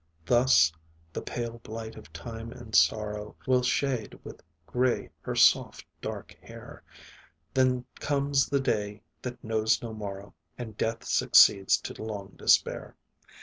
Thus the pale blight of time and sorrow Will shade with grey her soft, dark hair; Then comes the day that knows no morrow, And death succeeds to long despair.